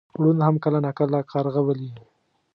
ړوند هم کله ناکله کارغه ولي .